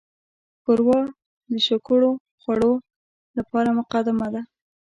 ښوروا د شګوړو خوړو لپاره مقدمه ده.